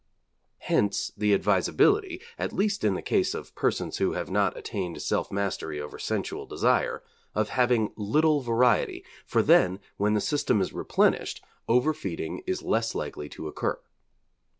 Hence the advisability, at least in the case of persons who have not attained self mastery over sensual desire, of having little variety, for then, when the system is replenished, over feeding is less likely to occur.